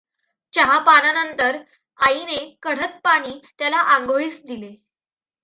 चहापानानंतर आईने कढत पाणी त्याला आंघोळीस दिले.